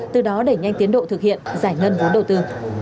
từ đó đẩy nhanh tiến độ thực hiện giải ngân vốn đầu tư